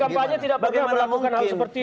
kampanye tidak pernah melakukan hal seperti itu